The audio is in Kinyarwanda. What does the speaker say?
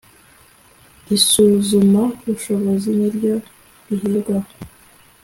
isuzumabushobozi niryo riherwaho